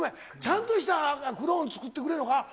ちゃんとしたクローン作ってくれるのか？